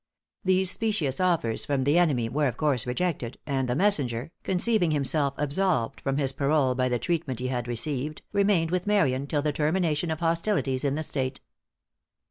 The specious offers from the enemy were of course rejected, and the messenger, conceiving himself absolved from his parole by the treatment he had received, remained with Marion till the termination of hostilities in the State.